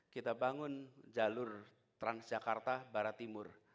kita bangun jalur transjakarta barat timur